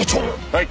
はい！